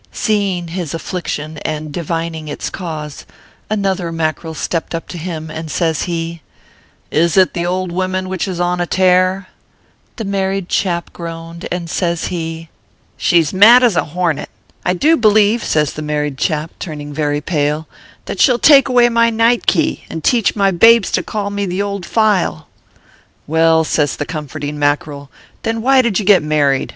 Seeing his affliction, and divining its cause, another Mackerel stepped up to him, and says he : "Is it the old woman which is on a tare ?" The married chap groaned, and says he : ORPHEUS C. KERR PAPERS. 277 " She s mad as a hornet. I do believe/ says the married chap, turning very pale, " that she ll take away my night key, and teach rny babes to call me the Old File." " Well," says the comforting Mackerel, " then why did you get married